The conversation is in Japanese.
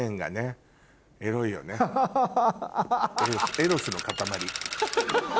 エロスの塊。